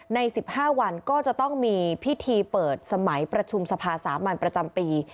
ใน๑๕วันก็จะต้องมีพิธีเปิดสมัยประชุมสภาสามัญประจำปี